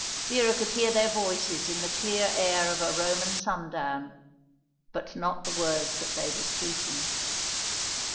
Vera could hear their voices in the clear air of a Roman sundown; but not the words that they were speaking.